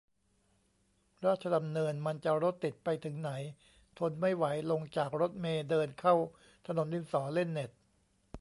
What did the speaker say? ราชดำเนินมันจะรถติดไปถึงไหน ทนไม่ไหว ลงจากรถเมล์ เดินเข้าถนนดินสอ เล่นเน็ต !